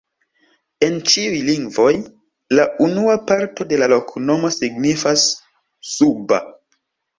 En ĉiuj lingvoj la unua parto de la loknomo signifas: suba.